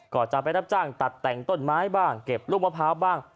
ก็จะไปรับจ้างตัดแต่งต้นไม้บ้างเก็บลูกมะพร้าวบ้าง